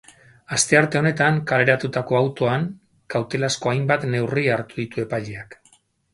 Astearte honetan kaleratutako autoan, kautelazko hainbat neurri hartu ditu epaileak.